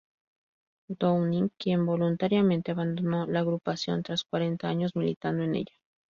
Downing, quien voluntariamente abandonó la agrupación tras cuarenta años militando en ella.